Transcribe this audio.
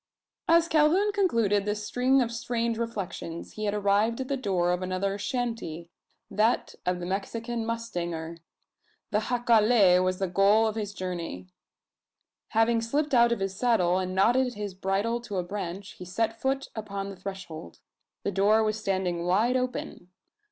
As Calhoun concluded this string of strange reflections, he had arrived at the door of another "shanty" that of the Mexican mustanger. The jacale was the goal of his journey. Having slipped out of his saddle, and knotted his bridle to a branch, he set foot upon the threshold. The door was standing wide open.